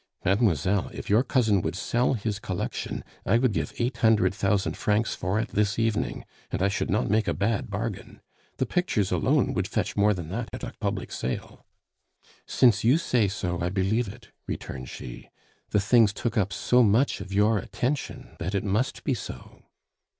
"Mademoiselle, if your cousin would sell his collection, I would give eight hundred thousand francs for it this evening, and I should not make a bad bargain. The pictures alone would fetch more than that at a public sale." "Since you say so, I believe it," returned she; "the things took up so much of your attention that it must be so."